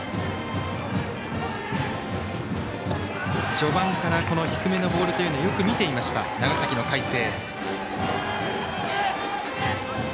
序盤から低めのボールというのはよく見ていました、長崎の海星。